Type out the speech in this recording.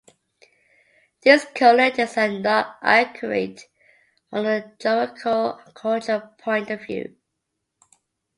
These code letters are not accurate from the geographical and cultural point of view.